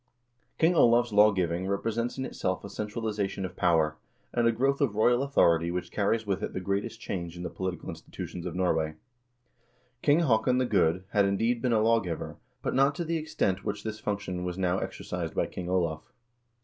King Olav's lawgiving represents in itself a centralization of power, and a growth of royal authority which carries with it the greatest change in the political institutions of Norway. King Haakon the Good had, indeed, been a lawgiver, but not to the extent which this func tion was now exercised by King Olav.